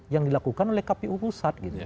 yang dilakukan oleh kpu pusat